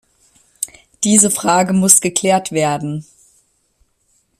Diese Frage muss geklärt werden.